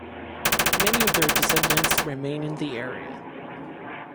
Many of their descendants remain in the area.